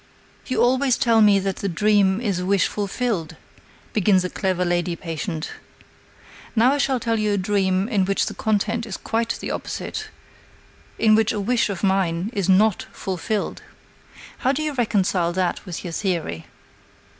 "You always tell me that the dream is a wish fulfilled," begins a clever lady patient. "Now I shall tell you a dream in which the content is quite the opposite, in which a wish of mine is not fulfilled. How do you reconcile that with your theory?